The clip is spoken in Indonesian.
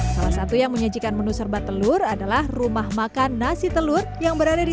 salah satu yang menyajikan menu serba telur adalah rumah makan nasi telur yang berada di